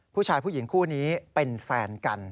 ผู้ชายผู้หญิงคู่นี้เป็นแฟนกัน